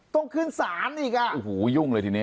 ต้องขึ้นศาลอีกอ่ะโอ้โหยุ่งเลยทีนี้